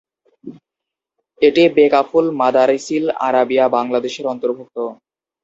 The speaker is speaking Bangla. এটি বেফাকুল মাদারিসিল আরাবিয়া বাংলাদেশের অন্তর্ভুক্ত।